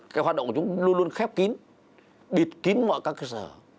cái hoạt động của chúng luôn luôn khép kín bịt kín mọi các cơ sở